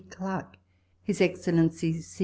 CLARKE. His Excellency C.